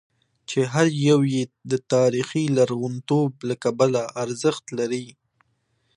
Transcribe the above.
چې هر یو یې د تاریخي لرغونتوب له کبله ارزښت لري.